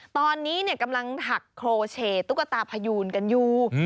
ตอนนี้กำลังหักโครเชตุ๊กตาพยูนกันอยู่